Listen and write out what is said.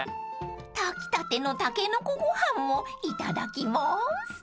［炊きたてのたけのこご飯もいただきます］